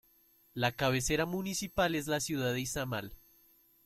La cabecera municipal es la ciudad de Izamal.